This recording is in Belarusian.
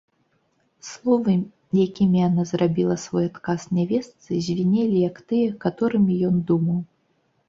Словы, якімі яна зрабіла свой адказ нявестцы, звінелі, як тыя, каторымі ён думаў.